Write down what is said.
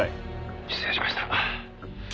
「失礼しました」